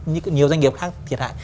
như nhiều doanh nghiệp khác thiệt hại